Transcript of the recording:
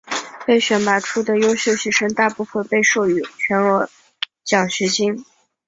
被选拔出的优秀学生大部分被授予全额奖学金。